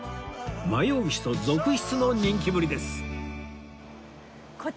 迷う人続出の人気ぶりです